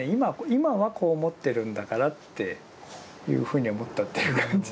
今はこう思ってるんだからっていうふうに思ったっていう感じですかね。